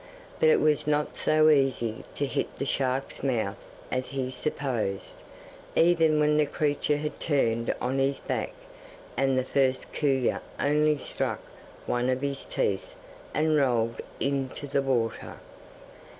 But it was not so easy to hit the shark's mouth as he supposed, even when the creature had turned on his back, and the first kuyu only struck one of his teeth and rolled into the water.